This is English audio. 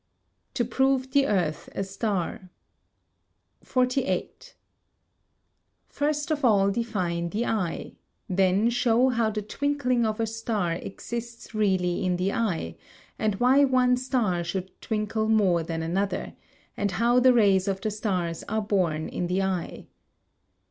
[Sidenote: To prove the Earth a Star] 48. First of all define the eye; then show how the twinkling of a star exists really in the eye, and why one star should twinkle more than another, and how the rays of the stars are born in the eye.